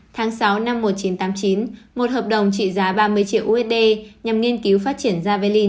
tháng sáu năm một nghìn chín trăm tám mươi chín một hợp đồng trị giá ba mươi triệu usd nhằm nghiên cứu phát triển javelin